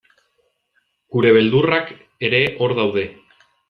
Gure beldurrak ere hor daude.